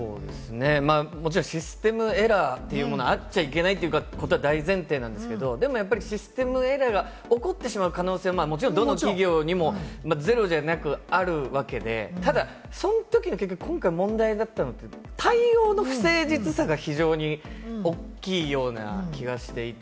システムエラー、あっちゃいけないということは大前提なんですけれども、でもシステムエラーが起こってしまう可能性はどの企業でもゼロじゃなくあるわけで、ただその時の今回、問題になったのって対応の不誠実さが非常に大きいような気がしていて、